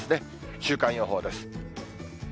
週間予報です。